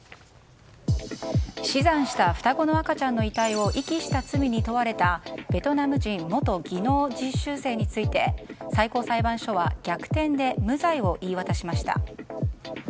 死産した双子の赤ちゃんの遺体を遺棄した罪に問われたベトナム人元技能実習生について最高裁判所は、逆転で無罪を言い渡しました。